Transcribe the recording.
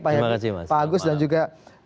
pak agus dan juga